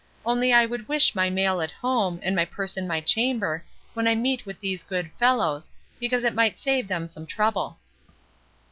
Only I would wish my mail at home, and my purse in my chamber, when I meet with these good fellows, because it might save them some trouble."